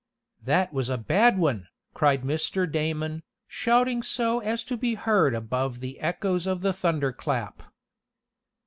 "That was a bad one," cried Mr. Damon, shouting so as to be heard above the echoes of the thunderclap.